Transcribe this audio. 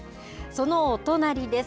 そのお隣です。